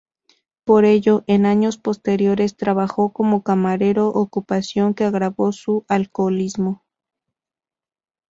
Por ello, en años posteriores trabajó como camarero, ocupación que agravó su alcoholismo.